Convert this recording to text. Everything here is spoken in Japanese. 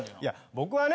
僕はね